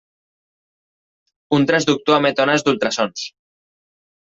Un transductor emet ones d'ultrasons.